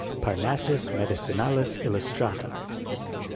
Parnassus Medicinalis illustrata.